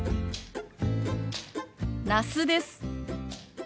那須です。